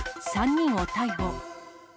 ３人を逮捕。